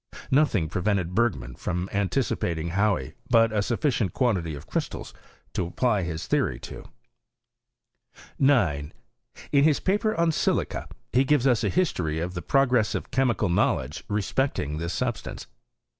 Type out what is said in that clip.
Nothing prevented HISTOBT OF CUEMISTKT. I I BergmaD from anticipating Hauy but a sufficient quantity of crystals to apply his theory to.* 9. In his paper on silica he gives us a history of the progress of chemical knowledge respecting this Bubstance.